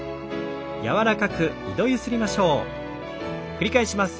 繰り返します。